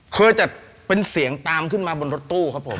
เคยแต่เป็นเสียงตามขึ้นมาบนรถตู้ครับผม